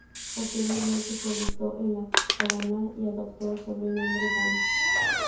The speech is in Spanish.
Posteriormente se alistó en la Haganá y adoptó el sobrenombre "Dan".